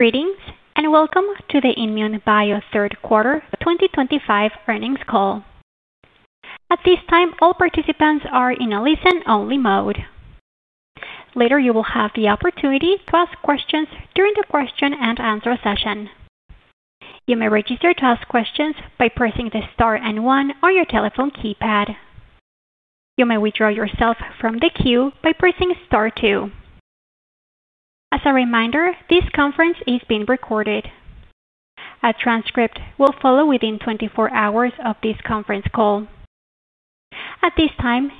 Greetings and welcome to the INmune Bio third quarter 2025 earnings call. At this time, all participants are in a listen-only mode. Later, you will have the opportunity to ask questions during the question-and-answer session. You may register to ask questions by pressing the star and one on your telephone keypad. You may withdraw yourself from the queue by pressing star two. As a reminder, this conference is being recorded. A transcript will follow within 24 hours of this conference call. At this time,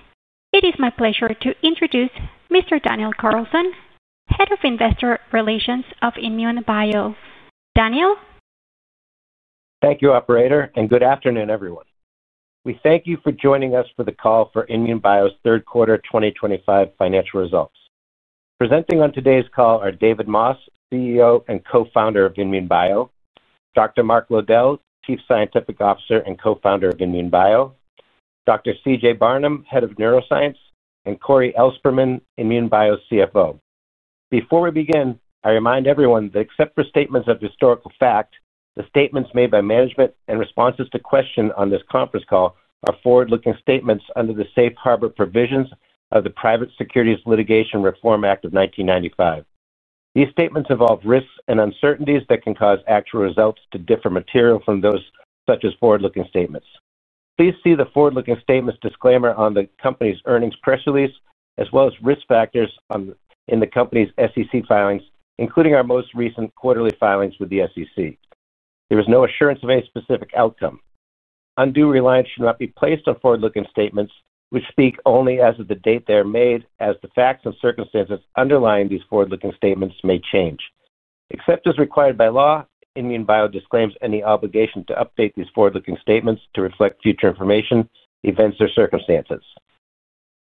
it is my pleasure to introduce Mr. Daniel Carlson, Head of Investor Relations of INmune Bio. Daniel? Thank you, Operator, and good afternoon, everyone. We thank you for joining us for the call for INmune Bio's third quarter 2025 financial results. Presenting on today's call are David Moss, CEO and co-founder of INmune Bio, Dr. Mark Lowdell, Chief Scientific Officer and co-founder of INmune Bio, Dr. CJ Barnum, Head of Neuroscience, and Corey Elsperman, INmune Bio's CFO. Before we begin, I remind everyone that except for statements of historical fact, the statements made by management and responses to questions on this conference call are forward-looking statements under the Safe Harbor provisions of the Private Securities Litigation Reform Act of 1995. These statements involve risks and uncertainties that can cause actual results to differ materially from those such as forward-looking statements. Please see the forward-looking statements disclaimer on the company's earnings press release, as well as risk factors in the company's SEC filings, including our most recent quarterly filings with the SEC. There is no assurance of any specific outcome. Undue reliance should not be placed on forward-looking statements. We speak only as of the date they are made, as the facts and circumstances underlying these forward-looking statements may change. Except as required by law, INmune Bio disclaims any obligation to update these forward-looking statements to reflect future information, events, or circumstances.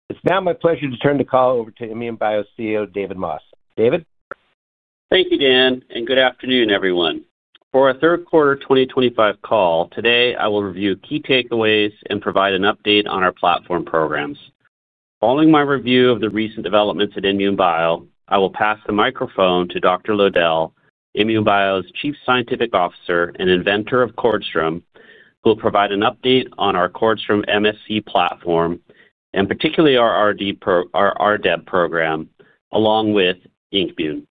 It's now my pleasure to turn the call over to INmune Bio's CEO, David Moss. David? Thank you, Dan, and good afternoon, everyone. For our third quarter 2025 call, today I will review key takeaways and provide an update on our platform programs. Following my review of the recent developments at INmune Bio, I will pass the microphone to Dr. Lowdell, INmune Bio's Chief Scientific Officer and inventor of CORDStrom, who will provide an update on our CORDStrom MSC platform, particularly our RDEB program, along with INKmune.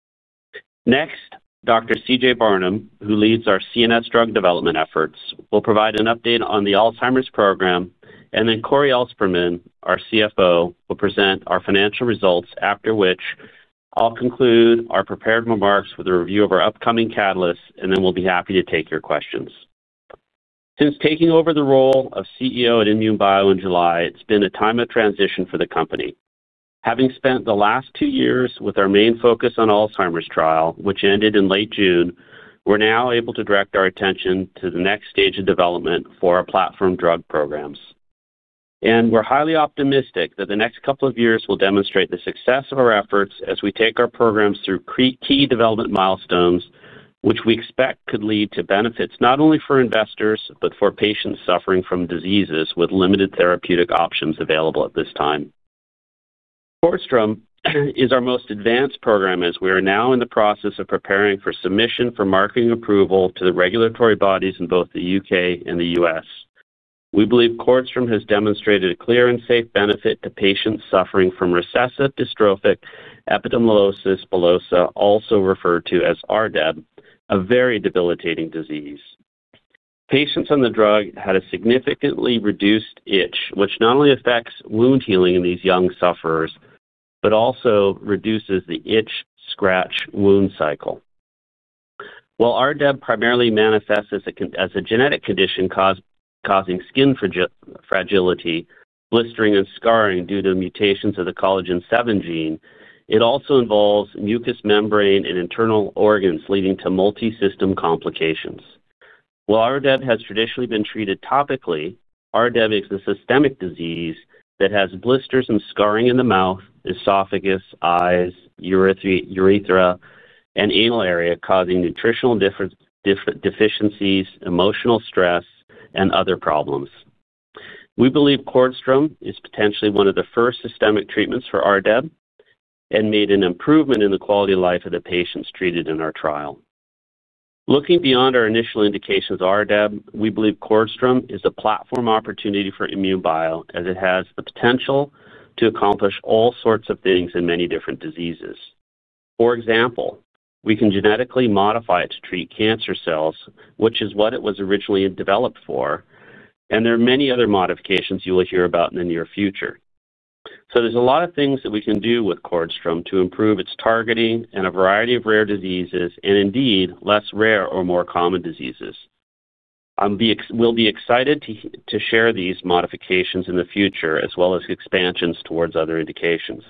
Next, Dr. CJ Barnum, who leads our CNS drug development efforts, will provide an update on the Alzheimer's program, and then Corey Elsperman, our CFO, will present our financial results. After that, I'll conclude our prepared remarks with a review of our upcoming catalysts, and then we'll be happy to take your questions. Since taking over the role of CEO at INmune Bio in July, it's been a time of transition for the company. Having spent the last two years with our main focus on the Alzheimer's trial, which ended in late June, we're now able to direct our attention to the next stage of development for our platform drug programs. We're highly optimistic that the next couple of years will demonstrate the success of our efforts as we take our programs through key development milestones, which we expect could lead to benefits not only for investors but for patients suffering from diseases with limited therapeutic options available at this time. CORDStrom is our most advanced program, as we are now in the process of preparing for submission for marketing approval to the regulatory bodies in both the U.K. and the U.S. We believe CORDStrom has demonstrated a clear and safe benefit to patients suffering from Recessive Dystrophic Epidermolysis Bullosa, also referred to as RDEB, a very debilitating disease. Patients on the drug had a significantly reduced itch, which not only affects wound healing in these young sufferers but also reduces the itch-scratch wound cycle. While RDEB primarily manifests as a genetic condition causing skin fragility, blistering, and scarring due to mutations of the collagen 7 gene, it also involves mucous membrane and internal organs, leading to multi-system complications. While RDEB has traditionally been treated topically, RDEB is a systemic disease that has blisters and scarring in the mouth, esophagus, eyes, urethra, and anal area, causing nutritional deficiencies, emotional stress, and other problems. We believe CORDStrom is potentially one of the first systemic treatments for RDEB and made an improvement in the quality of life of the patients treated in our trial. Looking beyond our initial indications of RDEB, we believe CORDStrom is a platform opportunity for INmune Bio, as it has the potential to accomplish all sorts of things in many different diseases. For example, we can genetically modify it to treat cancer cells, which is what it was originally developed for. There are many other modifications you will hear about in the near future. There are a lot of things that we can do with CORDStrom to improve its targeting in a variety of rare diseases and, indeed, less rare or more common diseases. We'll be excited to share these modifications in the future, as well as expansions towards other indications.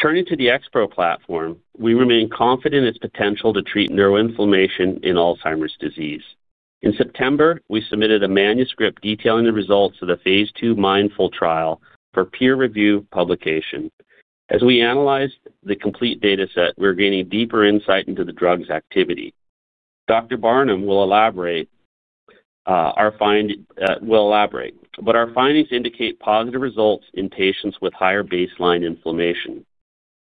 Turning to the XPro platform, we remain confident in its potential to treat neuroinflammation in Alzheimer's disease. In September, we submitted a manuscript detailing the results of the Phase 2 Mindful trial for peer-reviewed publication. As we analyze the complete data set, we're gaining deeper insight into the drug's activity. Dr. Barnum will elaborate. Our findings indicate positive results in patients with higher baseline inflammation.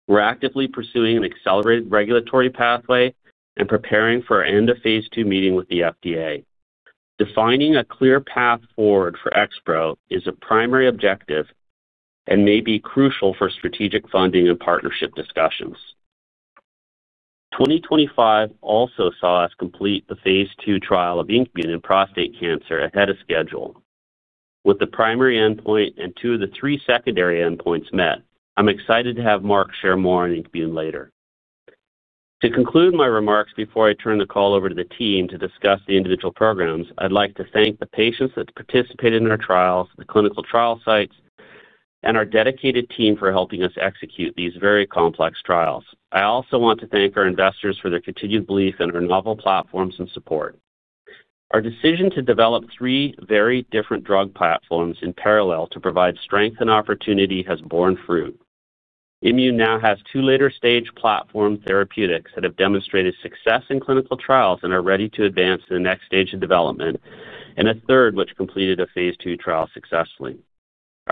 We're actively pursuing an accelerated regulatory pathway and preparing for our end of Phase 2 meeting with the FDA. Defining a clear path forward for XPro is a primary objective and may be crucial for strategic funding and partnership discussions. 2025 also saw us complete the Phase 2 trial of INKmune in prostate cancer ahead of schedule, with the primary endpoint and two of the three secondary endpoints met. I'm excited to have Dr. Mark Lowdell share more on INKmune later. To conclude my remarks before I turn the call over to the team to discuss the individual programs, I'd like to thank the patients that participated in our trials, the clinical trial sites, and our dedicated team for helping us execute these very complex trials. I also want to thank our investors for their continued belief in our novel platforms and support. Our decision to develop three very different drug platforms in parallel to provide strength and opportunity has borne fruit. INmune now has two later-stage platform therapeutics that have demonstrated success in clinical trials and are ready to advance to the next stage of development, and a third which completed a Phase 2 trial successfully.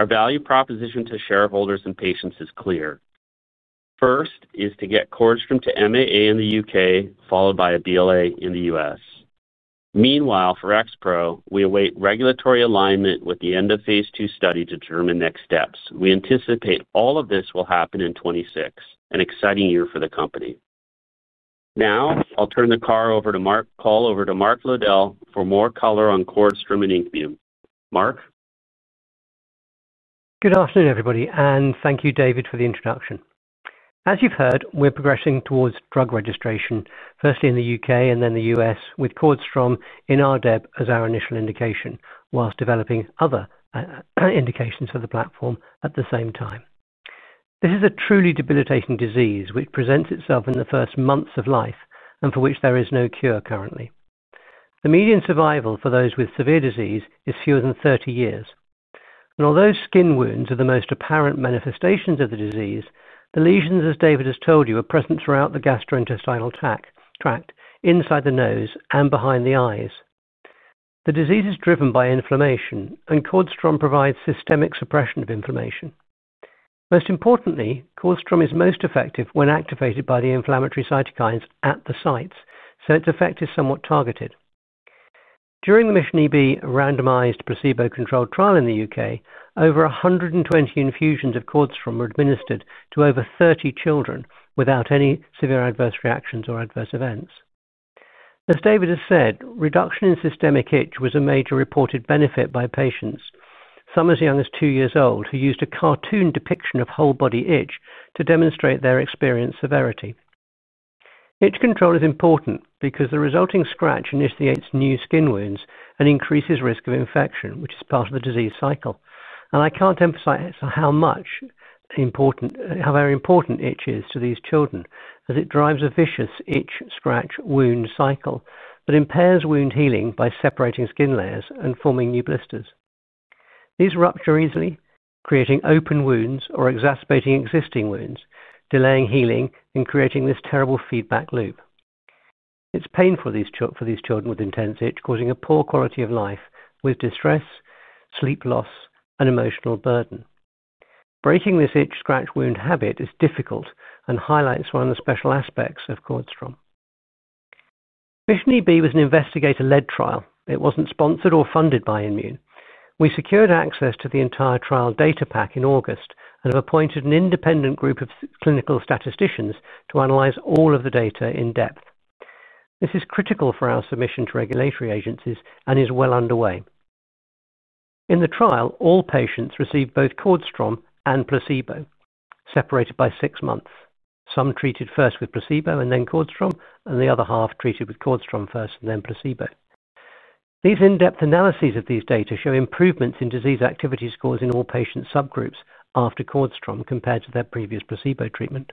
Our value proposition to shareholders and patients is clear. First is to get CORDStrom to MAA in the U.K., followed by a BLA in the U.S. Meanwhile, for XPro, we await regulatory alignment with the end of Phase 2 study to determine next steps. We anticipate all of this will happen in 2026, an exciting year for the company. Now, I'll turn the call over to Mark Lowdell for more color on CORDStrom and INKmune. Mark. Good afternoon, everybody, and thank you, David, for the introduction. As you've heard, we're progressing towards drug registration, firstly in the U.K. and then the U.S., with CORDStrom in RDEB as our initial indication, whilst developing other indications for the platform at the same time. This is a truly debilitating disease which presents itself in the first months of life and for which there is no cure currently. The median survival for those with severe disease is fewer than 30 years. Although skin wounds are the most apparent manifestations of the disease, the lesions, as David has told you, are present throughout the gastrointestinal tract, inside the nose, and behind the eyes. The disease is driven by inflammation, and CORDStrom provides systemic suppression of inflammation. Most importantly, CORDStrom is most effective when activated by the inflammatory cytokines at the sites, so its effect is somewhat targeted. During the Mission EB randomized placebo-controlled trial in the U.K., over 120 infusions of CORDStrom were administered to over 30 children without any severe adverse reactions or adverse events. As David has said, reduction in systemic itch was a major reported benefit by patients, some as young as two years old, who used a cartoon depiction of whole-body itch to demonstrate their experienced severity. Itch control is important because the resulting scratch initiates new skin wounds and increases the risk of infection, which is part of the disease cycle. I can't emphasize how important itch is to these children, as it drives a vicious itch-scratch-wound cycle that impairs wound healing by separating skin layers and forming new blisters. These rupture easily, creating open wounds or exacerbating existing wounds, delaying healing, and creating this terrible feedback loop. It's painful for these children with intense itch, causing a poor quality of life with distress, sleep loss, and emotional burden. Breaking this itch-scratch-wound habit is difficult and highlights one of the special aspects of CORDStrom. Mission EB was an investigator-led trial. It wasn't sponsored or funded by INmune. We secured access to the entire trial data pack in August and have appointed an independent group of clinical statisticians to analyze all of the data in depth. This is critical for our submission to regulatory agencies and is well underway. In the trial, all patients received both CORDStrom and placebo, separated by six months. Some treated first with placebo and then CORDStrom, and the other half treated with CORDStrom first and then placebo. These in-depth analyses of these data show improvements in disease activity scores in all patient subgroups after CORDStrom compared to their previous placebo treatment.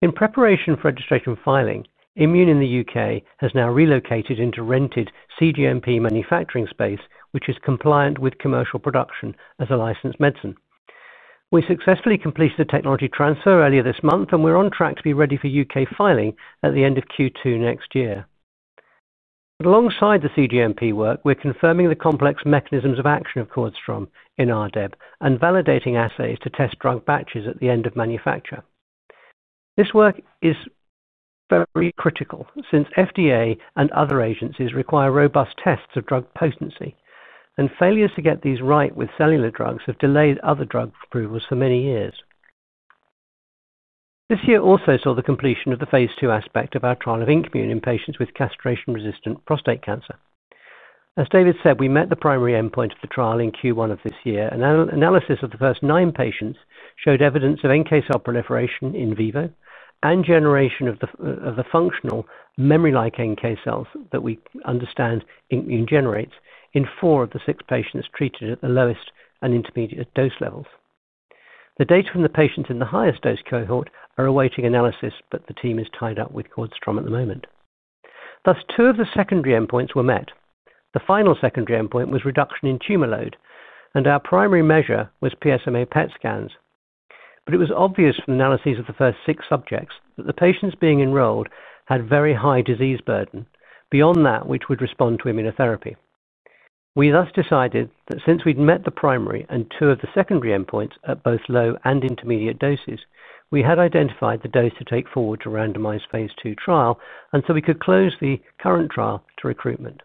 In preparation for registration filing, INmune in the U.K. has now relocated into rented CGMP manufacturing space, which is compliant with commercial production as a licensed medicine. We successfully completed the technology transfer earlier this month, and we're on track to be ready for U.K. filing at the end of Q2 next year. Alongside the CGMP work, we're confirming the complex mechanisms of action of CORDStrom in RDEB and validating assays to test drug batches at the end of manufacture. This work is very critical since FDA and other agencies require robust tests of drug potency, and failures to get these right with cellular drugs have delayed other drug approvals for many years. This year also saw the completion of the Phase 2 aspect of our trial of INKmune in patients with castration-resistant prostate cancer. As David said, we met the primary endpoint of the trial in Q1 of this year, and analysis of the first nine patients showed evidence of NK cell proliferation in vivo and generation of the functional memory-like NK cells that we understand INKmune generates in four of the six patients treated at the lowest and intermediate dose levels. The data from the patients in the highest dose cohort are awaiting analysis, but the team is tied up with CORDStrom at the moment. Thus, two of the secondary endpoints were met. The final secondary endpoint was reduction in tumor load, and our primary measure was PSMA PET scans. It was obvious from the analyses of the first six subjects that the patients being enrolled had very high disease burden beyond that which would respond to immunotherapy. We thus decided that since we'd met the primary and two of the secondary endpoints at both low and intermediate doses, we had identified the dose to take forward to randomized Phase 2 trial, and so we could close the current trial to recruitment.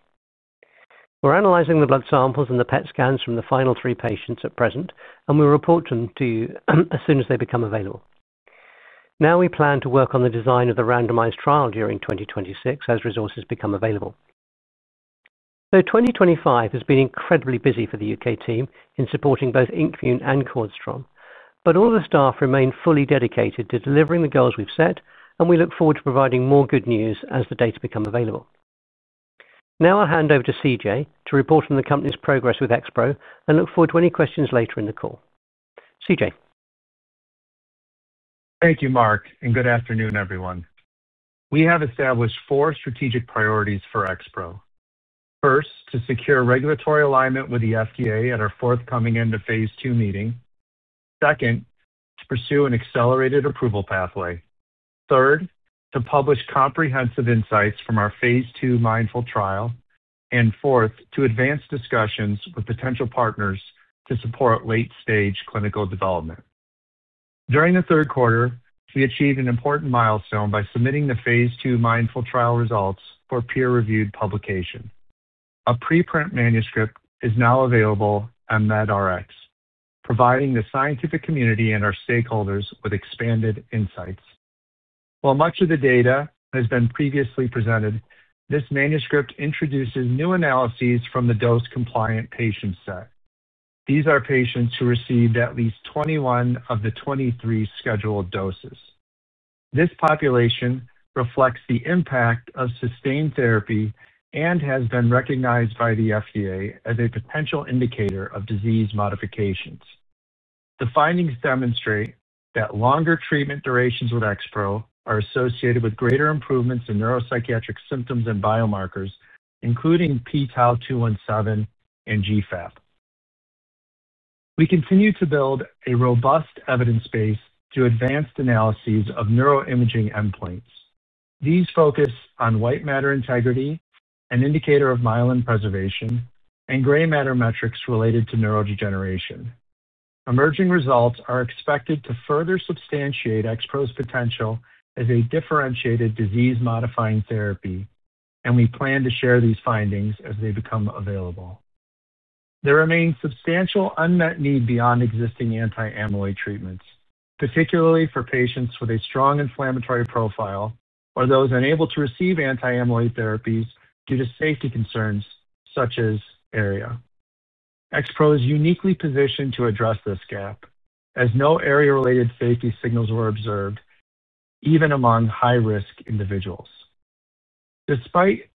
We're analyzing the blood samples and the PET scans from the final three patients at present, and we'll report them to you as soon as they become available. Now we plan to work on the design of the randomized trial during 2026 as resources become available. 2025 has been incredibly busy for the U.K. team in supporting both INKmune and CORDStrom, but all the staff remain fully dedicated to delivering the goals we've set, and we look forward to providing more good news as the data become available. Now I'll hand over to CJ to report on the company's progress with XPro and look forward to any questions later in the call. CJ. Thank you, Mark, and good afternoon, everyone. We have established four strategic priorities for XPro. First, to secure regulatory alignment with the FDA at our forthcoming end of Phase 2 meeting. Second, to pursue an accelerated approval pathway. Third, to publish comprehensive insights from our Phase 2 Mindful trial. Fourth, to advance discussions with potential partners to support late-stage clinical development. During the third quarter, we achieved an important milestone by submitting the Phase 2 Mindful trial results for peer-reviewed publication. A preprint manuscript is now available at MedRx, providing the scientific community and our stakeholders with expanded insights. While much of the data has been previously presented, this manuscript introduces new analyses from the dose-compliant patient set. These are patients who received at least 21 of the 23 scheduled doses. This population reflects the impact of sustained therapy and has been recognized by the FDA as a potential indicator of disease modifications. The findings demonstrate that longer treatment durations with XPro are associated with greater improvements in neuropsychiatric symptoms and biomarkers, including PTAL 217 and GFAP. We continue to build a robust evidence base to advance analyses of neuroimaging endpoints. These focus on white matter integrity, an indicator of myelin preservation, and gray matter metrics related to neurodegeneration. Emerging results are expected to further substantiate XPro's potential as a differentiated disease-modifying therapy. We plan to share these findings as they become available. There remains substantial unmet need beyond existing anti-amyloid treatments, particularly for patients with a strong inflammatory profile or those unable to receive anti-amyloid therapies due to safety concerns such as ARIA. XPro is uniquely positioned to address this gap, as no ARIA-related safety signals were observed, even among high-risk individuals. Despite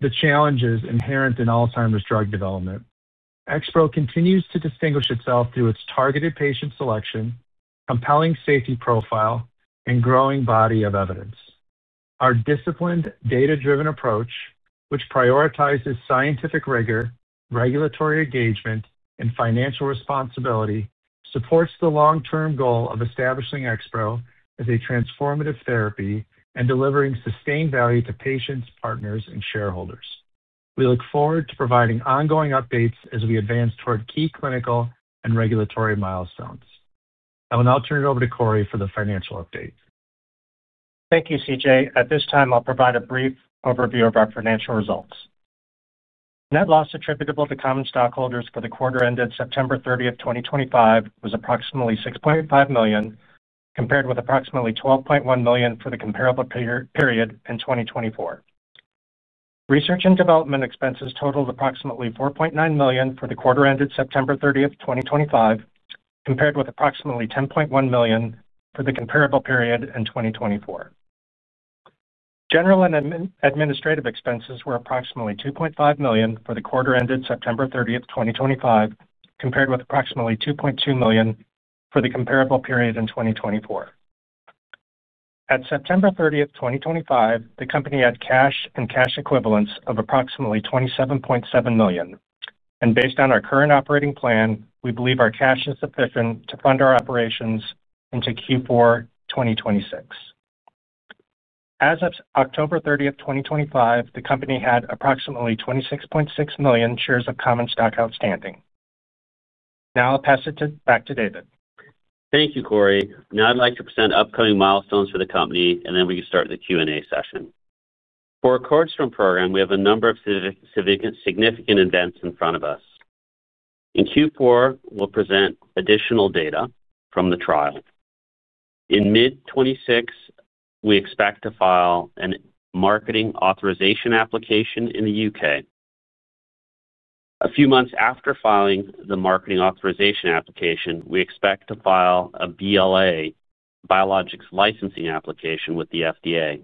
the challenges inherent in Alzheimer's drug development, XPro continues to distinguish itself through its targeted patient selection, compelling safety profile, and growing body of evidence. Our disciplined, data-driven approach, which prioritizes scientific rigor, regulatory engagement, and financial responsibility, supports the long-term goal of establishing XPro as a transformative therapy and delivering sustained value to patients, partners, and shareholders. We look forward to providing ongoing updates as we advance toward key clinical and regulatory milestones. I'll turn it over to Corey for the financial update. Thank you, CJ. At this time, I'll provide a brief overview of our financial results. Net loss attributable to common stockholders for the quarter ended September 30th, 2025, was approximately $6.5 million, compared with approximately $12.1 million for the comparable period in 2024. Research and development expenses totaled approximately $4.9 million for the quarter ended September 30th, 2025, compared with approximately $10.1 million for the comparable period in 2024. General and administrative expenses were approximately $2.5 million for the quarter ended September 30, 2025, compared with approximately $2.2 million for the comparable period in 2024. At September 30th, 2025, the company had cash and cash equivalents of approximately $27.7 million. Based on our current operating plan, we believe our cash is sufficient to fund our operations into Q4 2026. As of October 30th, 2025, the company had approximately 26.6 million shares of common stock outstanding. Now I'll pass it back to David. Thank you, Corey. Now I'd like to present upcoming milestones for the company, and then we can start the Q&A session. For our CORDStrom program, we have a number of significant events in front of us. In Q4, we'll present additional data from the trial. In mid-2026, we expect to file a Marketing Authorization Application in the U.K. A few months after filing the Marketing Authorization Application, we expect to file a BLA with the FDA.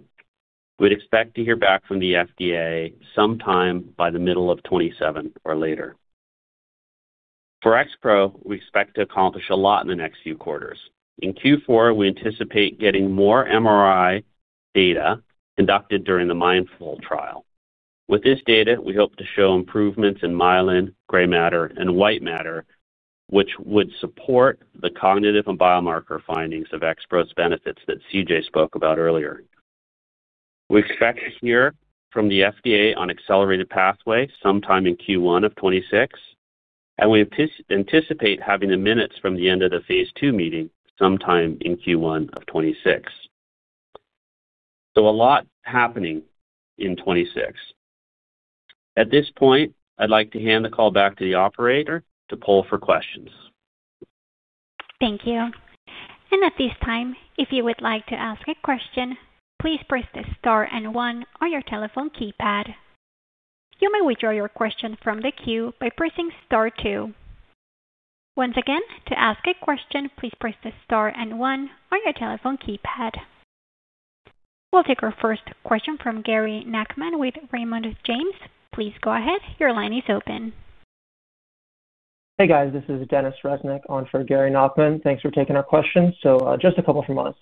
We'd expect to hear back from the FDA sometime by the middle of 2027 or later. For XPro, we expect to accomplish a lot in the next few quarters. In Q4, we anticipate getting more MRI data conducted during the Mindful trial. With this data, we hope to show improvements in myelin, gray matter, and white matter, which would support the cognitive and biomarker findings of XPro's benefits that CJ spoke about earlier. We expect to hear from the FDA on accelerated pathway sometime in Q1 of 2026, and we anticipate having the minutes from the end of the Phase 2 meeting sometime in Q1 of 2026. A lot happening in 2026. At this point, I'd like to hand the call back to the operator to poll for questions. Thank you. At this time, if you would like to ask a question, please press the star and one on your telephone keypad. You may withdraw your question from the queue by pressing star two. Once again, to ask a question, please press the star and one on your telephone keypad. We'll take our first question from Gary Nachman with Raymond James. Please go ahead. Your line is open. Hey, guys. This is Denis Reznik on for Gary Nachman. Thanks for taking our questions. Just a couple from us.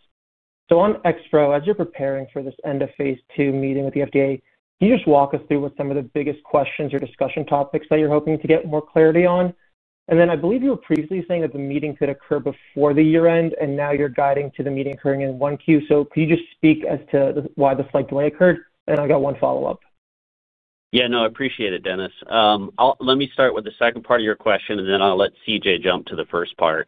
On XPro, as you're preparing for this end of Phase 2 meeting with the FDA, can you just walk us through what some of the biggest questions or discussion topics that you're hoping to get more clarity on? I believe you were previously saying that the meeting could occur before year-end, and now you're guiding to the meeting occurring in Q1. Could you just speak as to why this likely occurred? I've got one follow-up. Yeah. No, I appreciate it, Denis. Let me start with the second part of your question, and then I'll let CJ jump to the first part.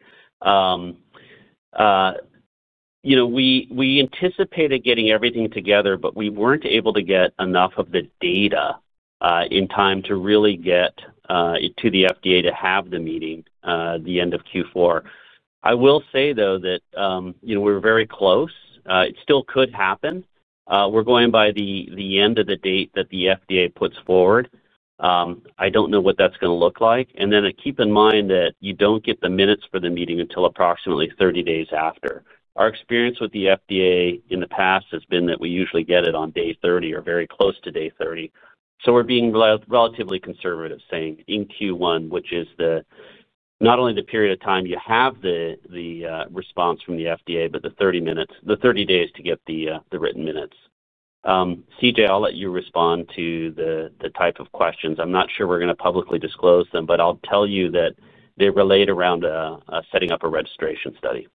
We anticipated getting everything together, but we weren't able to get enough of the data in time to really get to the FDA to have the meeting at the end of Q4. I will say, though, that we're very close. It still could happen. We're going by the end of the date that the FDA puts forward. I don't know what that's going to look like. Keep in mind that you don't get the minutes for the meeting until approximately 30 days after. Our experience with the FDA in the past has been that we usually get it on day 30 or very close to day 30. We're being relatively conservative, saying in Q1, which is not only the period of time you have the response from the FDA, but the 30 days to get the written minutes. CJ, I'll let you respond to the type of questions. I'm not sure we're going to publicly disclose them, but I'll tell you that they relate around setting up a registration study.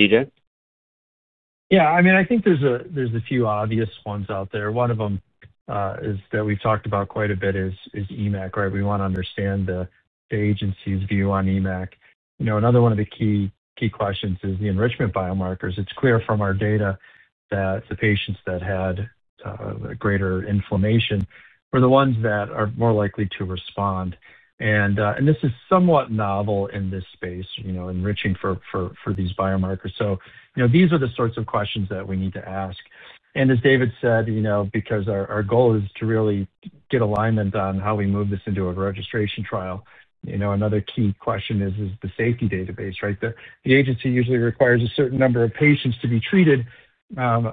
CJ? Yeah. I mean, I think there's a few obvious ones out there. One of them that we've talked about quite a bit is EMACC, right? We want to understand the agency's view on EMACC. Another one of the key questions is the enrichment biomarkers. It's clear from our data that the patients that had greater inflammation were the ones that are more likely to respond. This is somewhat novel in this space, enriching for these biomarkers. These are the sorts of questions that we need to ask. As David said, because our goal is to really get alignment on how we move this into a registration trial, another key question is the safety database, right? The agency usually requires a certain number of patients to be treated before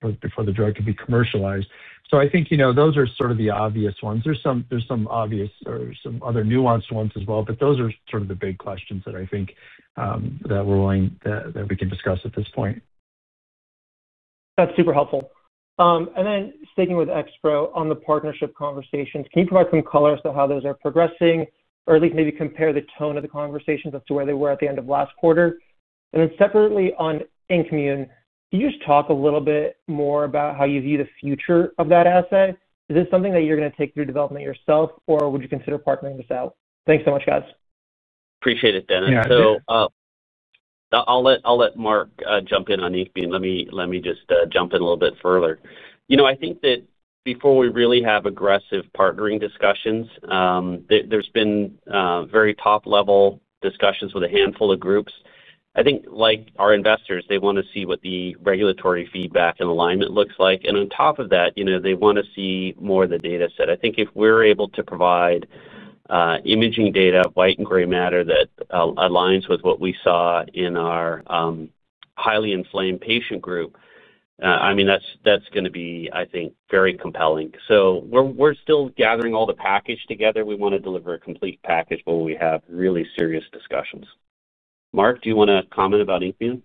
the drug can be commercialized. I think those are sort of the obvious ones. There are some other nuanced ones as well, but those are the big questions that I think we can discuss at this point. That's super helpful. Sticking with XPro on the partnership conversations, can you provide some color to how those are progressing, or at least maybe compare the tone of the conversations as to where they were at the end of last quarter? Separately on INKmune, can you just talk a little bit more about how you view the future of that asset? Is this something that you're going to take through development yourself, or would you consider partnering this out? Thanks so much, guys. Appreciate it, Denis. Yeah. I'll let Mark jump in on INKmune. Let me just jump in a little bit further. I think that before we really have aggressive partnering discussions, there's been very top-level discussions with a handful of groups. I think our investors, they want to see what the regulatory feedback and alignment looks like. On top of that, they want to see more of the data set. I think if we're able to provide imaging data, white and gray matter that aligns with what we saw in our highly inflamed patient group, that's going to be, I think, very compelling. We're still gathering all the package together. We want to deliver a complete package, but we have really serious discussions. Mark, do you want to comment about INKmune?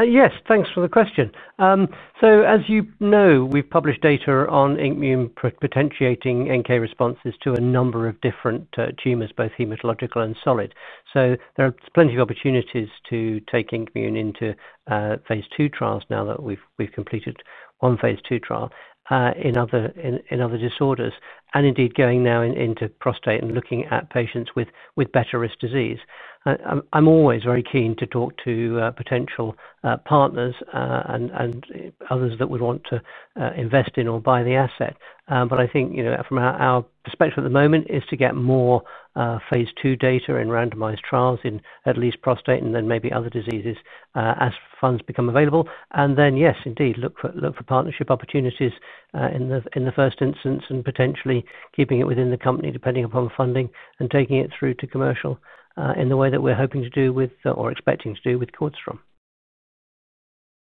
Yes. Thanks for the question. As you know, we've published data on INKmune potentiating NK responses to a number of different tumors, both hematological and solid. There are plenty of opportunities to take INKmune into Phase 2 trials now that we've completed one Phase 2 trial in other disorders, and indeed going now into prostate and looking at patients with better-risk disease. I'm always very keen to talk to potential partners and others that would want to invest in or buy the asset. I think from our perspective at the moment is to get more Phase 2 data in randomized trials in at least prostate and then maybe other diseases as funds become available. Yes, indeed, look for partnership opportunities in the first instance and potentially keeping it within the company depending upon funding and taking it through to commercial in the way that we're hoping to do with or expecting to do with CORDStrom.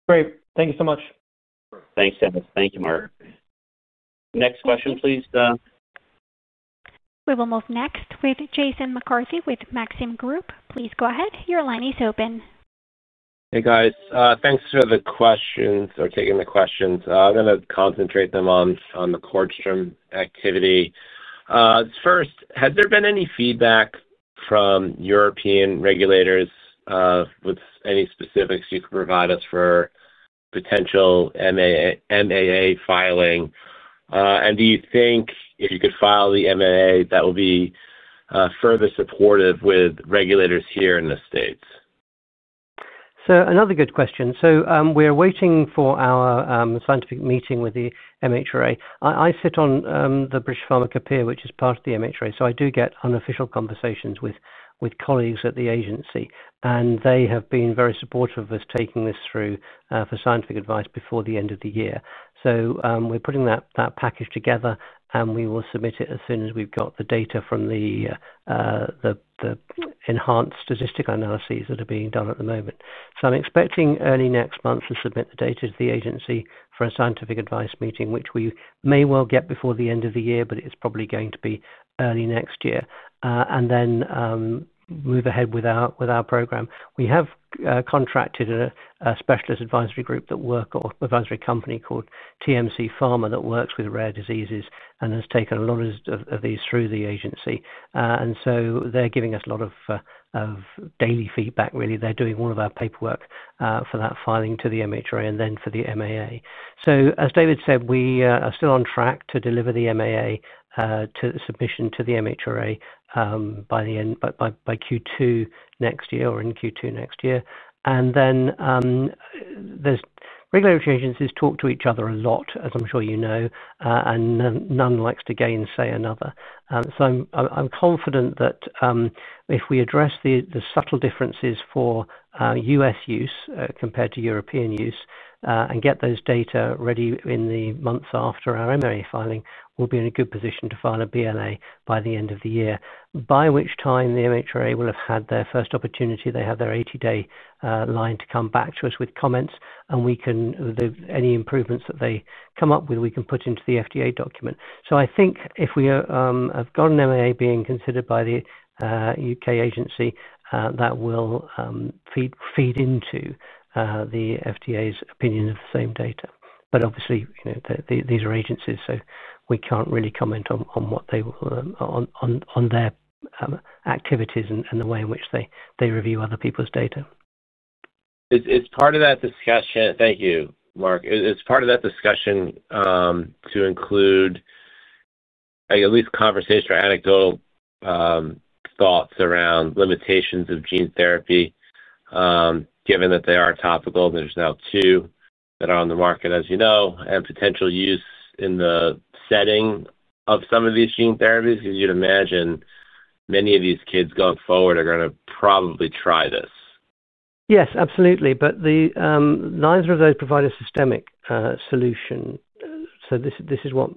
Great. Thank you so much. Thanks, Denis. Thank you, Mark. Next question, please. We will move next with Jason McCarthy with Maxim Group. Please go ahead. Your line is open. Hey, guys. Thanks for the questions or taking the questions. I'm going to concentrate them on the CORDStrom activity. First, has there been any feedback from European regulators with any specifics you can provide us for potential MAA filing? Do you think if you could file the MAA, that would be further supportive with regulators here in the U.S.? Another good question. We're waiting for our scientific meeting with the MHRA. I sit on the British Pharmacopeia, which is part of the MHRA, so I do get unofficial conversations with colleagues at the agency. They have been very supportive of us taking this through for scientific advice before the end of the year. We're putting that package together, and we will submit it as soon as we've got the data from the enhanced statistical analyses that are being done at the moment. I'm expecting early next month to submit the data to the agency for a scientific advice meeting, which we may well get before the end of the year, but it's probably going to be early next year, and then move ahead with our program. We have contracted a specialist advisory group, an advisory company called TMC Pharma that works with rare diseases and has taken a lot of these through the agency. They're giving us a lot of daily feedback, really. They're doing all of our paperwork for that filing to the MHRA and then for the MAA. As David said, we are still on track to deliver the MAA submission to the MHRA by Q2 next year or in Q2 next year. Regulatory agencies talk to each other a lot, as I'm sure you know, and none likes to gainsay another. I'm confident that if we address the subtle differences for U.S. use compared to European use and get those data ready in the months after our MAA filing, we'll be in a good position to file a BLA by the end of the year, by which time the MHRA will have had their first opportunity. They have their 80-day line to come back to us with comments, and any improvements that they come up with, we can put into the FDA document. I think if we have got an MAA being considered by the UK agency, that will feed into the FDA's opinion of the same data. Obviously, these are agencies, so we can't really comment on their activities and the way in which they review other people's data. Thank you, Mark. It's part of that discussion to include at least conversation or anecdotal thoughts around limitations of gene therapy. Given that they are topical, there's now two that are on the market, as you know, and potential use in the setting of some of these gene therapies. As you'd imagine, many of these kids going forward are going to probably try this. Yes, absolutely. Neither of those provide a systemic solution. This is what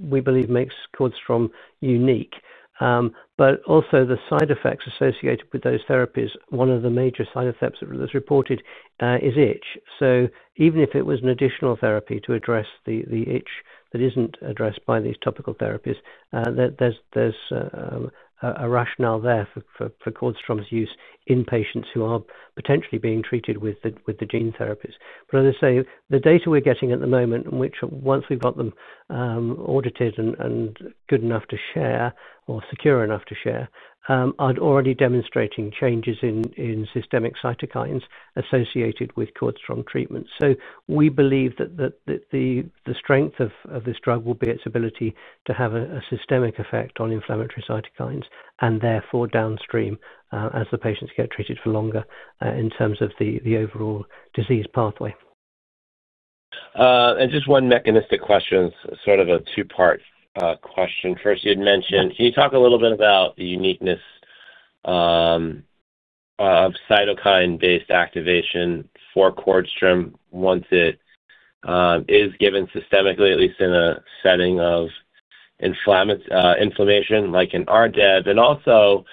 we believe makes CORDStrom unique. Also, the side effects associated with those therapies, one of the major side effects that was reported is itch. Even if it was an additional therapy to address the itch that isn't addressed by these topical therapies, there's a rationale there for CORDStrom's use in patients who are potentially being treated with the gene therapies. The data we're getting at the moment, which once we've got them audited and good enough to share or secure enough to share, are already demonstrating changes in systemic cytokines associated with CORDStrom treatment. We believe that the strength of this drug will be its ability to have a systemic effect on inflammatory cytokines and therefore downstream as the patients get treated for longer in terms of the overall disease pathway. Just one mechanistic question, sort of a two-part question. First, you had mentioned can you talk a little bit about the uniqueness of cytokine-based activation for CORDStrom once it is given systemically, at least in a setting of inflammation like in RDEB, and also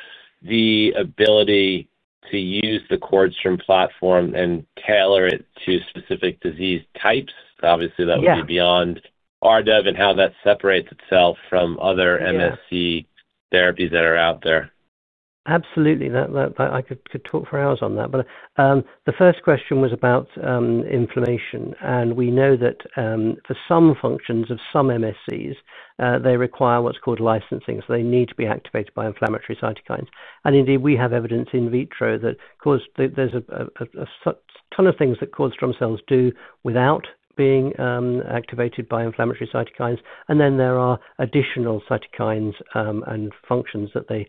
the ability to use the CORDStrom platform and tailor it to specific disease types? Obviously, that would be beyond RDEB and how that separates itself from other MSC therapies that are out there. Absolutely. I could talk for hours on that. The first question was about inflammation. We know that for some functions of some MSCs, they require what's called licensing. They need to be activated by inflammatory cytokines. We have evidence in vitro that there's a ton of things that CORDStrom cells do without being activated by inflammatory cytokines, and then there are additional cytokines and functions that they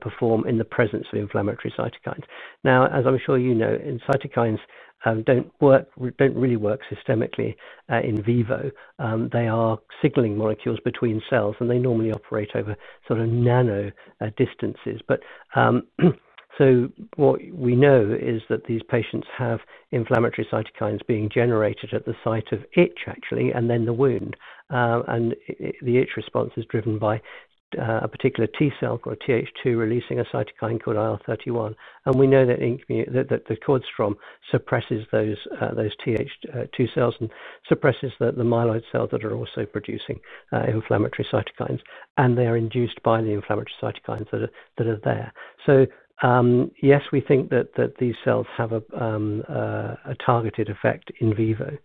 perform in the presence of inflammatory cytokines. As I'm sure you know, cytokines don't really work systemically in vivo. They are signaling molecules between cells, and they normally operate over sort of nano distances. What we know is that these patients have inflammatory cytokines being generated at the site of itch, actually, and then the wound. The itch response is driven by a particular T cell called TH2 releasing a cytokine called IL-31. We know that the CORDStrom suppresses those TH2 cells and suppresses the myeloid cells that are also producing inflammatory cytokines, and they are induced by the inflammatory cytokines that are there. Yes, we think that these cells have a targeted effect in vivo.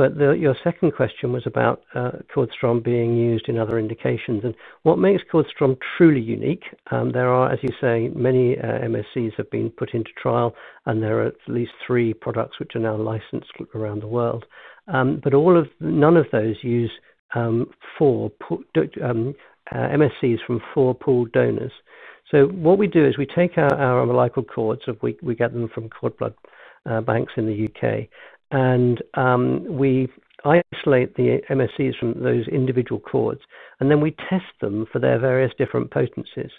Your second question was about CORDStrom being used in other indications and what makes CORDStrom truly unique. There are, as you say, many MSCs that have been put into trial, and there are at least three products which are now licensed around the world. None of those use MSCs from four pooled donors. What we do is we take our molecular cords, we get them from cord blood banks in the U.K., and we isolate the MSCs from those individual cords, and then we test them for their various different potencies.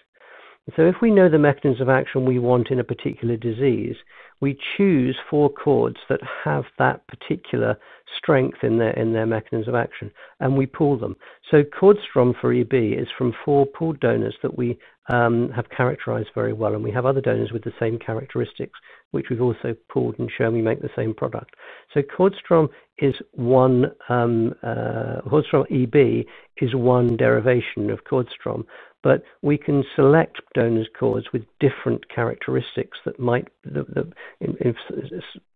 If we know the mechanism of action we want in a particular disease, we choose four cords that have that particular strength in their mechanism of action, and we pool them. CORDStrom for EB is from four pooled donors that we have characterized very well. We have other donors with the same characteristics, which we've also pooled and shown we make the same product. CORDStrom EB is one derivation of CORDStrom, but we can select donor cords with different characteristics that might,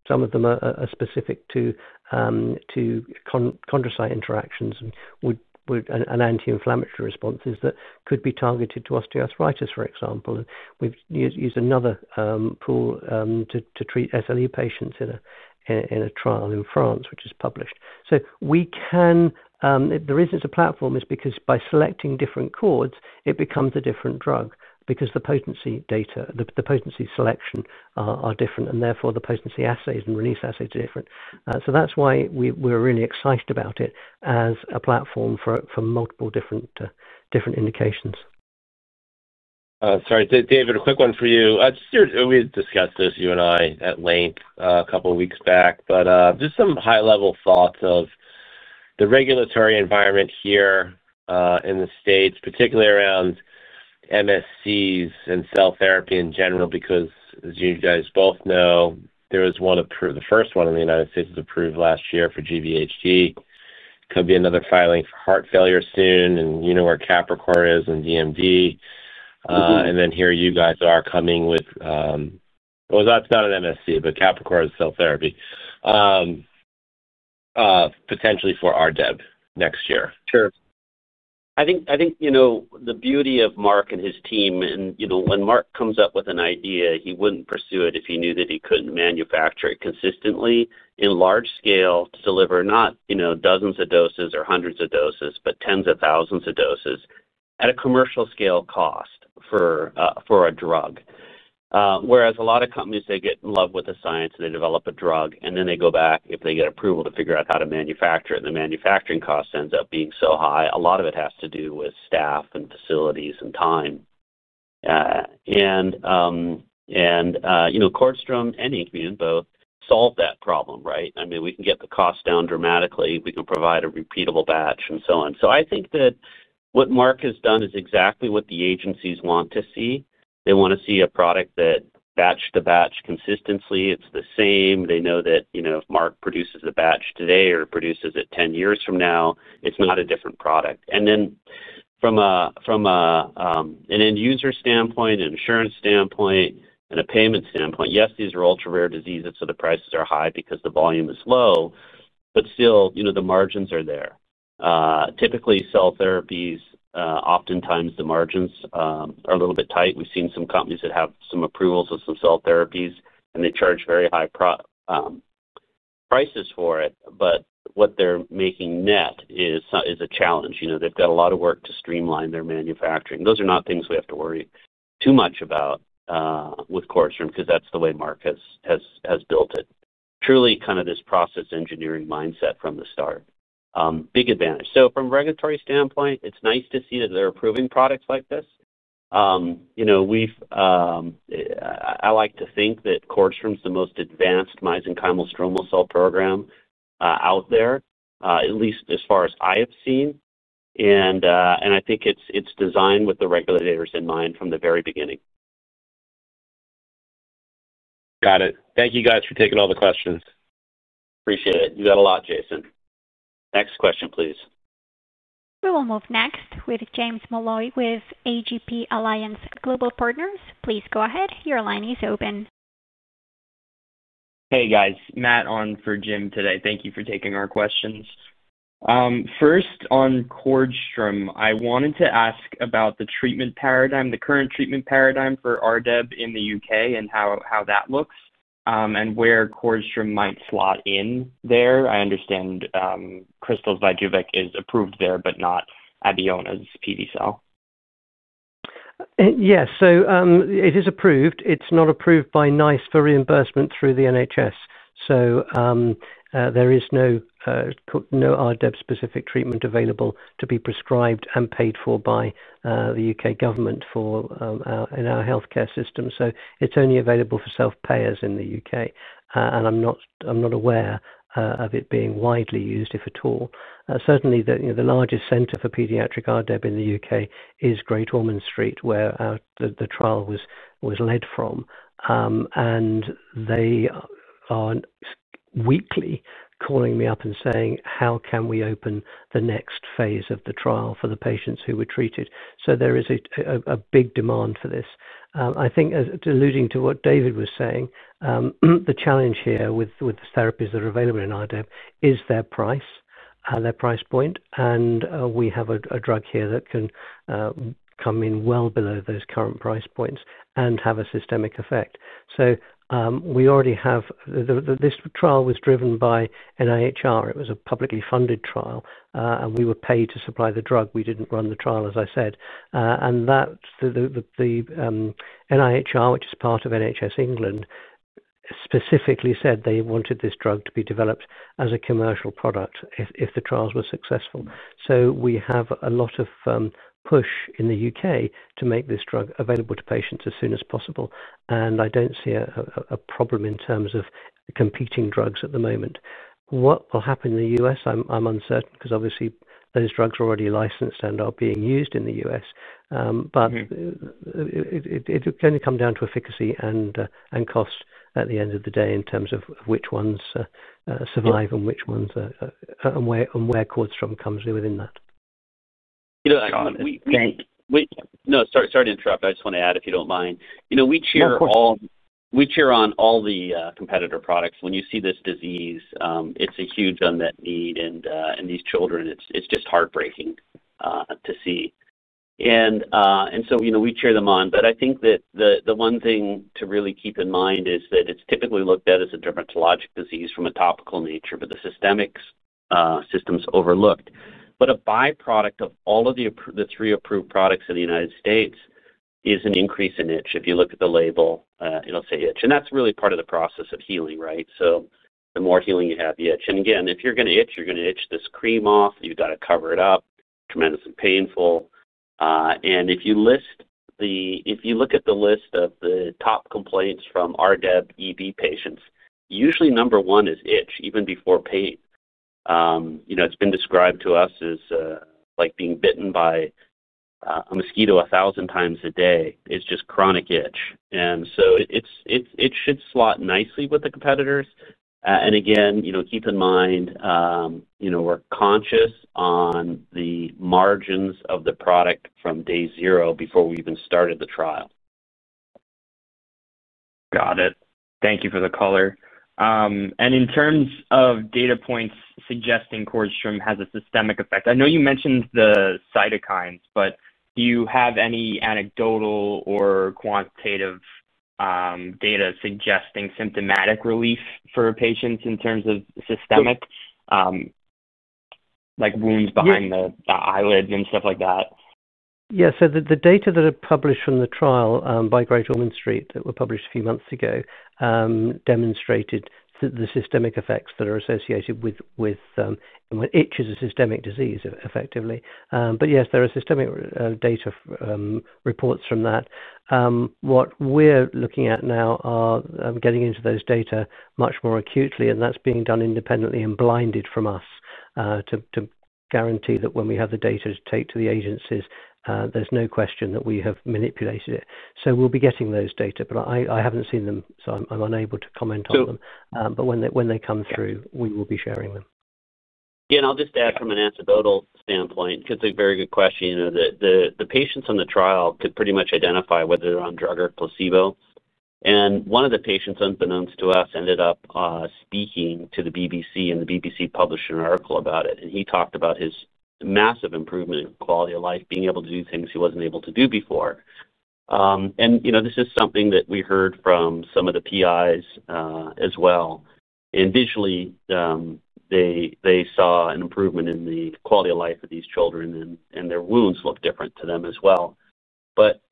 some of them are specific to chondrocyte interactions and an anti-inflammatory response that could be targeted to osteoarthritis, for example. We've used another pool to treat SLE patients in a trial in France, which is published. The reason it's a platform is because by selecting different cords, it becomes a different drug because the potency data, the potency selection are different, and therefore the potency assays and release assays are different. That's why we're really excited about it as a platform for multiple different indications. Sorry, David, a quick one for you. We discussed this, you and I, at length a couple of weeks back, but just some high-level thoughts of the regulatory environment here in the state, particularly around MSCs and cell therapy in general, because as you guys both know, there was one approved, the first one in the United States was approved last year for GVHD. There could be another filing for heart failure soon. You know where Capricor is and DMD. Here you guys are coming with, that's not an MSC, but Capricor is cell therapy, potentially for RDEB next year. Sure. I think the beauty of Mark and his team, and when Mark comes up with an idea, he wouldn't pursue it if he knew that he couldn't manufacture it consistently in large scale to deliver not dozens of doses or hundreds of doses, but tens of thousands of doses at a commercial scale cost for a drug. A lot of companies get in love with the science, and they develop a drug, and then they go back if they get approval to figure out how to manufacture it, and the manufacturing cost ends up being so high. A lot of it has to do with staff and facilities and time. CORDStrom and INKmune both solve that problem, right? We can get the cost down dramatically. We can provide a repeatable batch and so on. I think that what Mark has done is exactly what the agencies want to see. They want to see a product that batch to batch consistently, it's the same. They know that if Mark produces a batch today or produces it 10 years from now, it's not a different product. From an end-user standpoint, an insurance standpoint, and a payment standpoint, yes, these are ultra-rare diseases, so the prices are high because the volume is low, but still, the margins are there. Typically, cell therapies, oftentimes, the margins are a little bit tight. We've seen some companies that have some approvals of some cell therapies, and they charge very high prices for it, but what they're making net is a challenge. They've got a lot of work to streamline their manufacturing. Those are not things we have to worry too much about with CORDStrom because that's the way Mark has built, truly kind of this process engineering mindset from the start. Big advantage. From a regulatory standpoint, it's nice to see that they're approving products like this. I like to think that CORDStrom's the most advanced mesenchymal stromal cell program out there, at least as far as I have seen. I think it's designed with the regulators in mind from the very beginning. Got it. Thank you guys for taking all the questions. Appreciate it. You got a lot, Jason. Next question, please. We will move next with James Molloy with Alliance Global Partners. Please go ahead. Your line is open. Hey, guys. Matt on for Jim today. Thank you for taking our questions. First, on CORDStrom, I wanted to ask about the current treatment paradigm for RDEB in the U.K. and how that looks and where CORDStrom might slot in there. I understand Krystal's Vyjuvek is approved there but not Abeona's EB-101. Yes. It is approved. It's not approved by NICE for reimbursement through the NHS. There is no RDEB-specific treatment available to be prescribed and paid for by the U.K. government in our healthcare system. It's only available for self-payers in the U.K., and I'm not aware of it being widely used, if at all. Certainly, the largest center for pediatric RDEB in the U.K. is Great Ormond Street, where the trial was led from. They are weekly calling me up and saying, "How can we open the next phase of the trial for the patients who were treated?" There is a big demand for this. I think, alluding to what David was saying, the challenge here with the therapies that are available in RDEB is their price, their price point. We have a drug here that can come in well below those current price points and have a systemic effect. We already have this trial was driven by NIHR. It was a publicly funded trial, and we were paid to supply the drug. We didn't run the trial, as I said. The NIHR, which is part of NHS England, specifically said they wanted this drug to be developed as a commercial product if the trials were successful. We have a lot of push in the U.K. to make this drug available to patients as soon as possible. I don't see a problem in terms of competing drugs at the moment. What will happen in the U.S., I'm uncertain because obviously, those drugs are already licensed and are being used in the US. It's going to come down to efficacy and cost at the end of the day in terms of which ones survive and which ones and where CORDStrom comes within that. No, sorry to interrupt. I just want to add, if you don't mind. We cheer on all the competitor products. When you see this disease, it's a huge unmet need. These children, it's just heartbreaking to see. We cheer them on. I think that the one thing to really keep in mind is that it's typically looked at as a dermatologic disease from a topical nature, but the systemic system's overlooked. A byproduct of all of the three approved products in the U.S. is an increase in itch. If you look at the label, it'll say itch. That's really part of the process of healing, right? The more healing you have, the itch. If you're going to itch, you're going to itch this cream off. You've got to cover it up. It's tremendously painful. If you look at the list of the top complaints from RDEB patients, usually number one is itch, even before pain. It's been described to us as like being bitten by a mosquito 1,000x a day. It's just chronic itch. It should slot nicely with the competitors. Keep in mind, we're conscious on the margins of the product from day zero before we even started the trial. Got it. Thank you for the color. In terms of data points suggesting CORDStrom has a systemic effect, I know you mentioned the cytokines, but do you have any anecdotal or quantitative data suggesting symptomatic relief for patients in terms of systemic, like wounds behind the eyelids and stuff like that? Yeah. The data that are published from the trial by Great Ormond Street that were published a few months ago demonstrated the systemic effects that are associated with itch as a systemic disease, effectively. Yes, there are systemic data reports from that. What we're looking at now are getting into those data much more acutely, and that's being done independently and blinded from us to guarantee that when we have the data to take to the agencies, there's no question that we have manipulated it. We'll be getting those data, but I haven't seen them, so I'm unable to comment on them. When they come through, we will be sharing them. Yeah. I'll just add from an anecdotal standpoint because it's a very good question. The patients in the trial could pretty much identify whether they're on drug or placebo. One of the patients, unbeknownst to us, ended up speaking to the BBC, and the BBC published an article about it. He talked about his massive improvement in quality of life, being able to do things he wasn't able to do before. This is something that we heard from some of the PIs as well. Visually, they saw an improvement in the quality of life of these children, and their wounds looked different to them as well.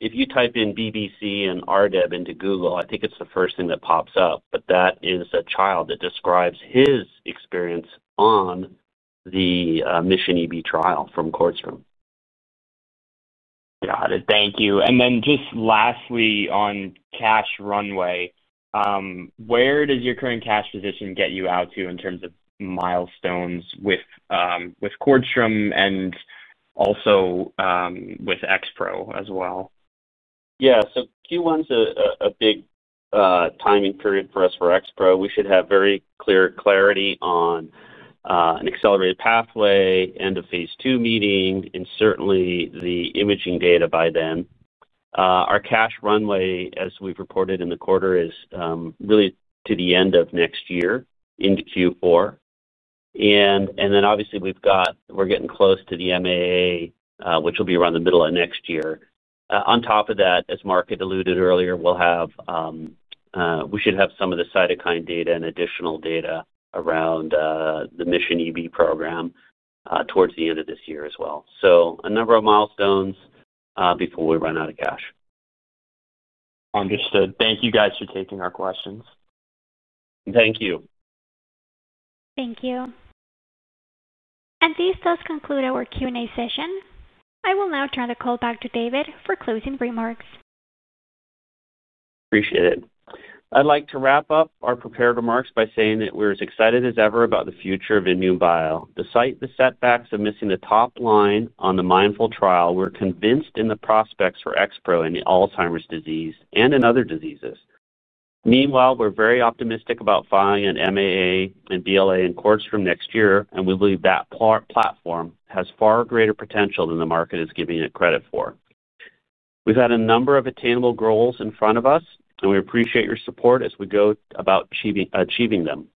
If you type in BBC and RDEB into Google, I think it's the first thing that pops up, but that is a child that describes his experience on the Mission EB trial from CORDStrom. Got it. Thank you. Lastly, on cash runway, where does your current cash position get you out to in terms of milestones with CORDStrom and also with XPro as well? Yeah. Q1's a big timing period for us for XPro. We should have very clear clarity on an accelerated pathway, end of phase two meeting, and certainly the imaging data by then. Our cash runway, as we've reported in the quarter, is really to the end of next year into Q4. Obviously, we're getting close to the MAA, which will be around the middle of next year. On top of that, as Mark had alluded earlier, we should have some of the cytokine data and additional data around the Mission EB program towards the end of this year as well. A number of milestones before we run out of cash. Understood. Thank you guys for taking our questions. Thank you. Thank you. This does conclude our Q&A session. I will now turn the call back to David for closing remarks. Appreciate it. I'd like to wrap up our prepared remarks by saying that we're as excited as ever about the future of INmune Bio. Despite the setbacks of missing the top line on the Mindful trial, we're convinced in the prospects for XPro and Alzheimer's disease and in other diseases. Meanwhile, we're very optimistic about filing an MAA and BLA in CORDStrom next year, and we believe that platform has far greater potential than the market is giving it credit for. We've had a number of attainable goals in front of us, and we appreciate your support as we go about achieving them.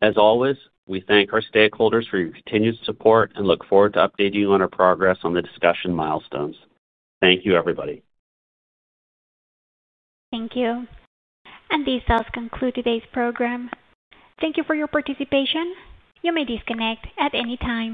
As always, we thank our stakeholders for your continued support and look forward to updating you on our progress on the discussion milestones. Thank you, everybody. Thank you. This does conclude today's program. Thank you for your participation. You may disconnect at any time.